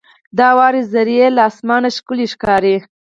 • د واورې ذرې له اسمانه ښکلي ښکاري.